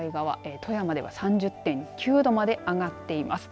富山では３０．９度まで上がっています。